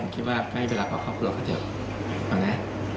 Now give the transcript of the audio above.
ผมคิดว่าก็ให้เวลาเข้าครอบครัวเขาเถอะนะ